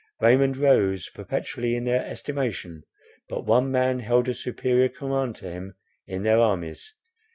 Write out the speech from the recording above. Raymond rose perpetually in their estimation; but one man held a superior command to him in their armies.